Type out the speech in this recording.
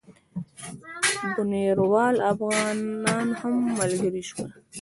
بُنیروال افغانان هم ملګري شول.